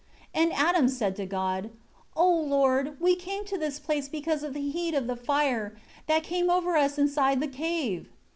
3 And Adam said to God, "O Lord, we came to this place because of the heat of the fire, that came over us inside the cave."